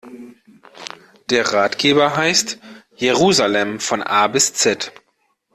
Der Ratgeber heißt: Jerusalem von A bis Z.